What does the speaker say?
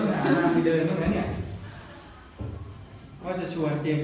ก็จะชวนเจสดิสเดินไปเชียงบ้าง